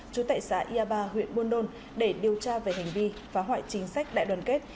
chú tại xã yaba huyện buôn đôn để điều tra về hành vi phá hoại chính sách đại đoàn kết